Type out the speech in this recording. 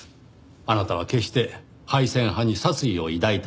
あなたは決して廃線派に殺意を抱いたりはしない。